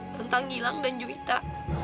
tentang gilang dan juwita